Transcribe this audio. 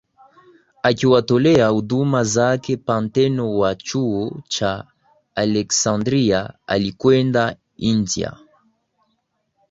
akiwatolea huduma zake Panteno wa Chuo cha Aleksandria alikwenda India